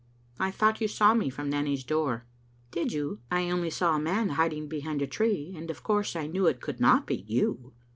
I thought you saw me from Nanny's door." " Did you? I only saw a man hiding behind a tree, and of course I knew it could not be you."